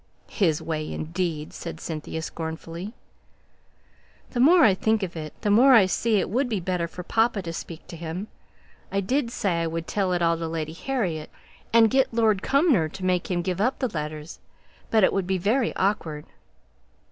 "His way, indeed!" said Cynthia, scornfully. "The more I think of it, the more I see it would be better for papa to speak to him. I did say I would tell it all to Lady Harriet, and get Lord Cumnor to make him give up the letters. But it would be very awkward."